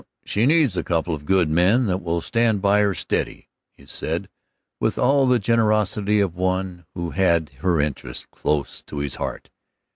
"Well, she needs a couple of good men that will stand by her steady," he said, with all the generosity of one who had her interests close to his heart.